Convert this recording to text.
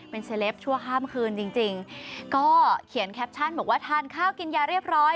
เป็นเซลปชั่วข้ามคืนจริงจริงก็เขียนแคปชั่นบอกว่าทานข้าวกินยาเรียบร้อย